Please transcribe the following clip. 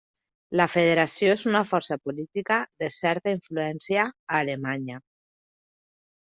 La Federació és una força política de certa influència a Alemanya.